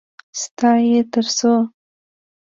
_ستا يې تر څو؟